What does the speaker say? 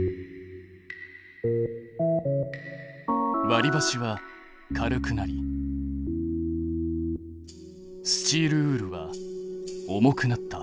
割りばしは軽くなりスチールウールは重くなった。